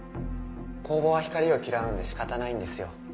酵母は光を嫌うんで仕方ないんですよ。